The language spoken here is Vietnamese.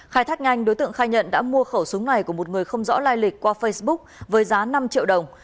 khai thác nhanh đối tượng khai nhận đã mua khẩu súng này của một người không rõ lai lịch qua facebook với giá năm triệu đồng